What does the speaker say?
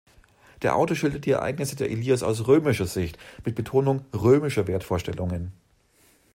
Der Autor schildert die Ereignisse der Ilias aus römischer Sicht, mit Betonung römischer Wertvorstellungen.